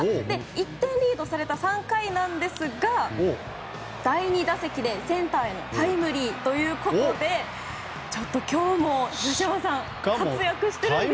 １点リードされた３回なんですが第２打席でセンターへのタイムリーということでちょっと今日も、東山さん活躍してるんですよ。